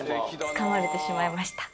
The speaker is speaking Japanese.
つかまれてしまいました。